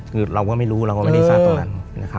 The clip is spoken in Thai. คือเราก็ไม่รู้เราก็ไม่ได้ฟังตรงนั้น